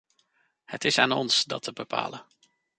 Het is aan ons, dat te bepalen.